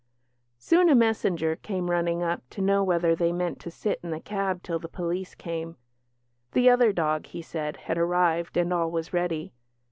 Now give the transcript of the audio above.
Soon a messenger came running up to know whether they meant to sit in the cab till the police came; the other dog, he said, had arrived and all was ready.